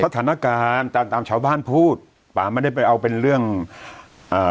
สถานการณ์ตามตามชาวบ้านพูดป่าไม่ได้ไปเอาเป็นเรื่องเอ่อ